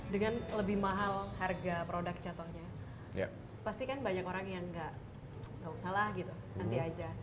dengan lebih mahal harga produk jatuhnya pasti kan banyak orang yang gak usah lah gitu nanti aja